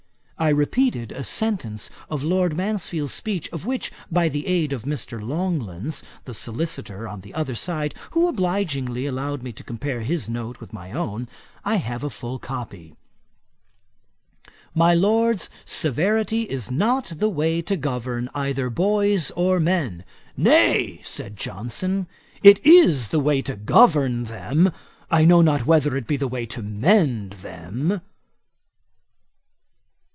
I repeated a sentence of Lord Mansfield's speech, of which, by the aid of Mr. Longlands, the solicitor on the other side, who obligingly allowed me to compare his note with my own, I have a full copy: 'My Lords, severity is not the way to govern either boys or men.' 'Nay, (said Johnson,) it is the way to govern them. I know not whether it be the way to mend them.'